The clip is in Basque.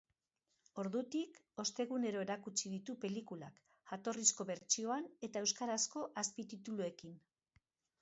Ordutik, ostegunero erakutsi ditu pelikulak, jatorrizko bertsioan eta euskarazko azpitituluekin.